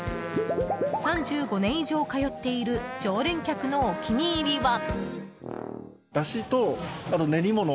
３５年以上通っている常連客のお気に入りは。